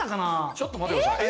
ちょっと待って下さい。